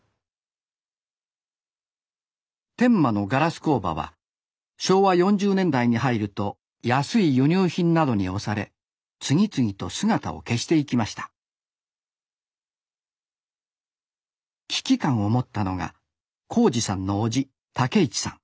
天満のガラス工場は昭和４０年代に入ると安い輸入品などに押され次々と姿を消していきました危機感を持ったのが孝次さんの叔父武一さん